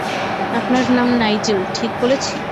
আপনার নাম নাইজেল, ঠিক বলেছি?